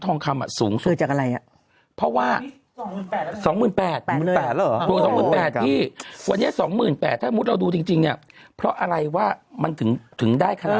ตอนนี้๒๘๐๐ถ้าโมดดูจริงเพราะอะไรว่ามันถึงถึงได้เคาระการ